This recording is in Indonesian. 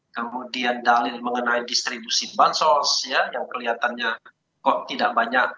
kemudian dalil mengenai distribusi bansos yang kelihatannya kok tidak banyak